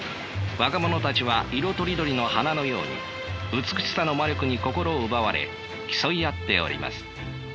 若者たちは色とりどりの花のように美しさの魔力に心奪われ競い合っております。